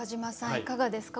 いかがですか？